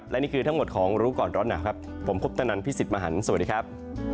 และนี่คือทั้งหมดของรู้ก่อนร้อนหนาวครับผมคุปตนันพี่สิทธิ์มหันฯสวัสดีครับ